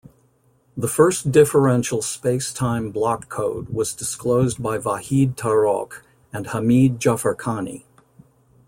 The first differential space-time block code was disclosed by Vahid Tarokh and Hamid Jafarkhani.